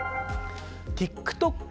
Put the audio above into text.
ＴｉｋＴｏｋ